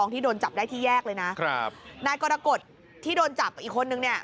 ที่โดนจับได้ที่แยกเลยนะครับนายกรกฎที่โดนจับอีกคนนึงเนี่ย